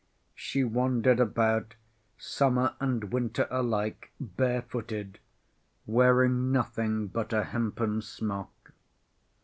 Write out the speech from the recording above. She wandered about, summer and winter alike, barefooted, wearing nothing but a hempen smock.